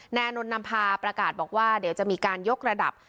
อานนท์นำพาประกาศบอกว่าเดี๋ยวจะมีการยกระดับ